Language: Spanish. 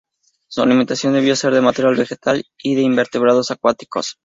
Su alimentación debió ser de material vegetal y de invertebrados acuáticos.